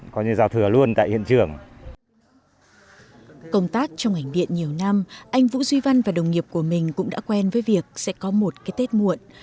công tác trong ngành điện nhiều năm anh vũ duy văn và đồng nghiệp của mình cũng đã quen với việc sẽ có một cái tết muộn